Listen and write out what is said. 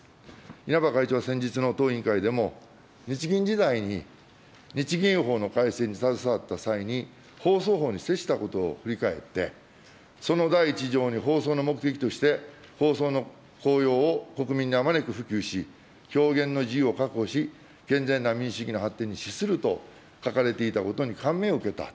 稲葉会長は先日の当委員会でも、日銀時代に日銀法の改正に携わった際に、放送法に接したことを振り返って、その第１条に放送の目的として、放送の効用を国民にあまねく普及し、表現の自由を確保し、健全な民主主義の発展に資すると書かれていたことに感銘を受けた。